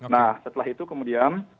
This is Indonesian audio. nah setelah itu kemudian